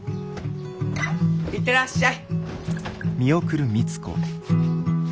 行ってらっしゃい。